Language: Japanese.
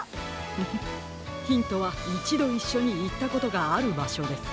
フフッヒントはいちどいっしょにいったことがあるばしょです。